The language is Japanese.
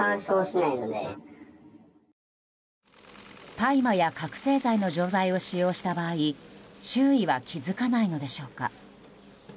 大麻や、覚醒剤の錠剤を使用した場合周囲は気づかないのでしょうか。